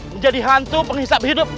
menjadi hantu penghisap hidup